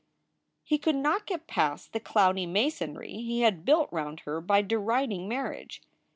He could not get past the cloudy masonry he had built round her by deriding marriage.